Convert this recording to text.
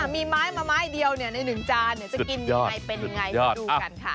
อ๋อมีไม้มะม้ายเดียวในหนึ่งจานเนี่ยจะกินยังไงเป็นยังไงมาดูกันค่ะสุดยอดสุดยอด